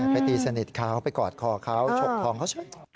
ไปตีสนิทขาเขาไปกอดคอเขาชกทองเขาใช่ไหม